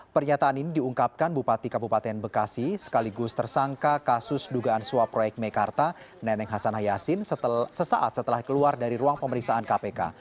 pernyataan ini diungkapkan bupati kabupaten bekasi sekaligus tersangka kasus dugaan suap proyek mekarta neneng hasan hayasin sesaat setelah keluar dari ruang pemeriksaan kpk